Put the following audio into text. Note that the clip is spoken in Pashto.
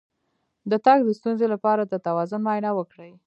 د تګ د ستونزې لپاره د توازن معاینه وکړئ